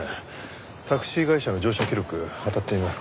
タクシー会社の乗車記録あたってみますか。